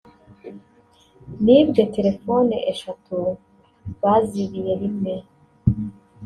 “Nibwe telefoni eshatu bazibiye rimwe